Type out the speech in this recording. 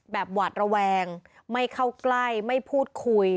หวาดระแวงไม่เข้าใกล้ไม่พูดคุย